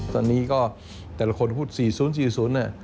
ตอนนี้ก็แต่ละคนพูด๔๐๔๐น่ะ